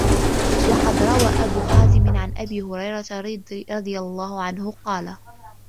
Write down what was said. وَقَدْ رَوَى أَبُو حَازِمٍ عَنْ أَبِي هُرَيْرَةَ رَضِيَ اللَّهُ عَنْهُ قَالَ